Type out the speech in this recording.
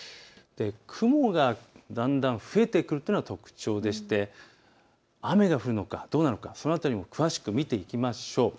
雲がだんだん増えてくるというのが特徴でして雨が降るのか、どうなるのかその辺りも詳しく見ていきましょう。